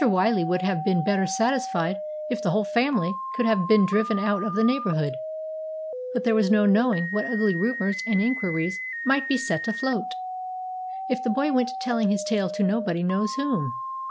Wyley would have been better satisfied if the whole family could have been driven out of the neighbourhood; but there was no knowing what ugly rumours and inquiries might be set afloat, if the boy went telling his tale to nobody knows whom.